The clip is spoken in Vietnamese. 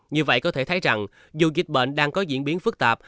như vậy có thể thấy rằng dù dịch bệnh đang có diễn biến phức tạp